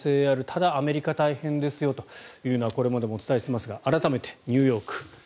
ただ、アメリカ大変ですよというのはこれまでもお伝えしていますが改めて、ニューヨーク。